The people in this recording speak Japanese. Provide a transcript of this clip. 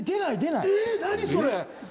「何？それ！」